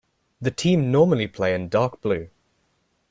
The team normally play in dark blue.